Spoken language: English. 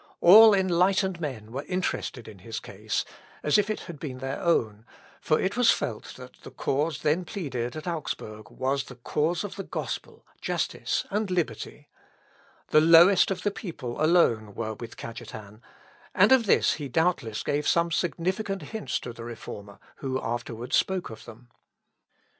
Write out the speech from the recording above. All enlightened men were interested in his case, as if it had been their own, for it was felt that the cause then pleaded at Augsburg was the cause of the gospel, justice, and liberty. The lowest of the people alone were with Cajetan; and of this he doubtless gave some significant hints to the Reformer, who afterwards spoke of them. Luth. Op. (L.) xvii, p.186.